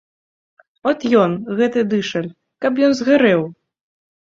От ён, гэты дышаль, каб ён згарэў!